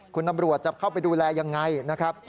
คุณตำรวจจะเข้าไปดูแลยังไงนะครับ